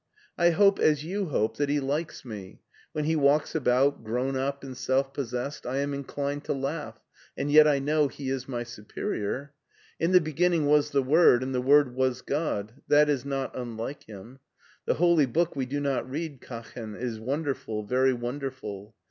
I liope, as you hope, that he likes me. When he walks about, grown up and self pos sessed, I am inclined to laugh, and yet I know he is my superior. In the beginning was the Word, and the Word was God — ^that is not unlike him. The Holy Book we do not read, Katchen, is wonderful, very wonderful.